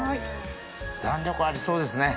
弾力ありそうですね。